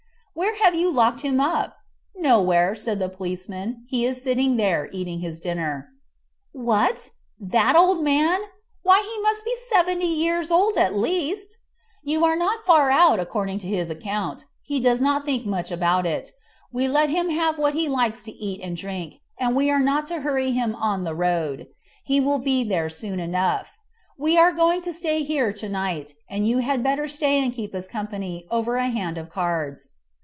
"Where have you locked him up?" "Nowhere," said the policeman; "he is sitting there, eating his dinner." "What!" said Jim, "that old man? why, he must be 70 years old, at least." "You are not far out, according to his own account. He doesn't think much about it. We let him have what he likes to eat and drink, and we are not to hurry him on the road. He will be there soon enough. We are going to stay here to night, and you had better stay and keep us company over a hand of cards."